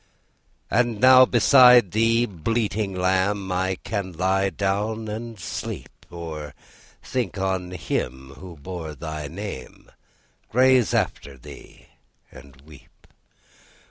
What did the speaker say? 'And now beside thee, bleating lamb, I can lie down and sleep, Or think on Him who bore thy name, Graze after thee, and weep.